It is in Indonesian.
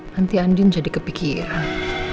nanti andin jadi kepikiran